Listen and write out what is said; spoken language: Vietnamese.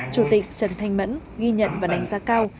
chủ tịch trần thanh mẫn ghi nhận và đánh giá cao